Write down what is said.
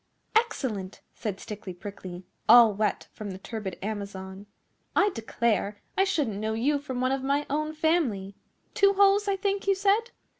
'Excellent!' said Stickly Prickly, all wet from the turbid Amazon. 'I declare, I shouldn't know you from one of my own family. Two holes, I think, you said?